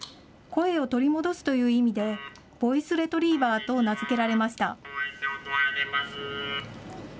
声を取り戻すという意味で、ボイスレトリーバーと名付けられました。